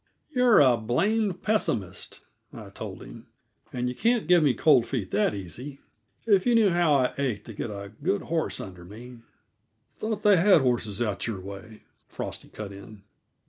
"You're a blamed pessimist," I told him, "and you can't give me cold feet that easy. If you knew how I ache to get a good horse under me " "Thought they had horses out your way," Frosty cut in.